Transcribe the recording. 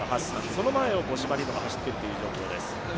その前を五島莉乃が走っているという状況です。